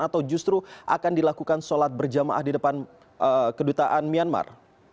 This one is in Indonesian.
atau justru akan dilakukan sholat berjamaah di depan kedutaan myanmar